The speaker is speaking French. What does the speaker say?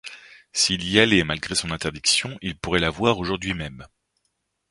S’il y allait, malgré son interdiction, il pourrait la voir aujourd’hui même!